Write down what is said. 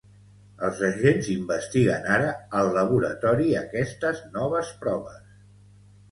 Els agents investiguen ara al laboratori aquestes noves proves